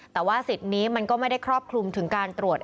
แต่ว่าสิทธิ์นี้มันก็ไม่ได้ครอบคลุมถึงการตรวจ